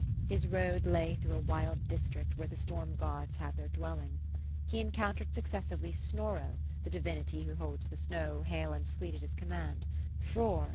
His road lay through a wild district where the storm gods have their dwelling. He encountered successively Snorro, the divinity who holds the snow, hail, and sleet, at his command ; Frorc.